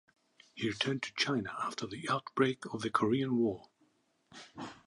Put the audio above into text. He returned to China after the outbreak of the Korean War.